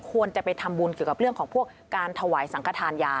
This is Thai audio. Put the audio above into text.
ควรจะไปทำบุญเกี่ยวกับเรื่องของพวกการถวายสังขทานยา